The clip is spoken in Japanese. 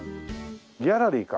ギャラリーか。